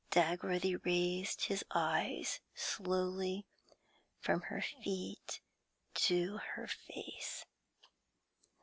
Dagworthy raised his eyes slowly from her feet to her face.